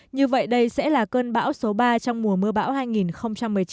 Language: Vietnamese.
như vậy đây sẽ là cơn bão số ba trong mùa mưa bão hai nghìn một mươi chín